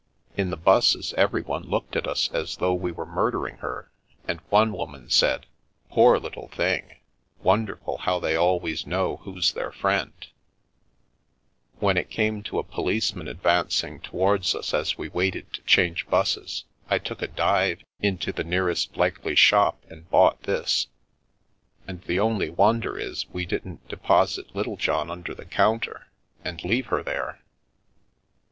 In the *buses everyone looked at us as though we were mur dering her, and one woman said, ' Poor little thing I Wonderful how they always know who's their friend I ' When it came to a policeman advancing towards us as we waited to change 'buses, I took a dive into the nearest likely shop and bought this. And the only won der is we didn't deposit Littlejohn under the counter and leave her there."